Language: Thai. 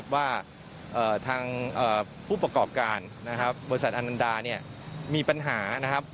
ว่าทางผู้ประกอบการบริษัทอำนวัลดามีปัญหา